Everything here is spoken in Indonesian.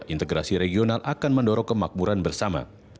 integrasi regional akan mendorong kemakmuran bersama